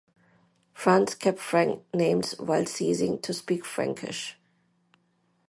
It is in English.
France kept Frank names while ceasing to speak Frankish.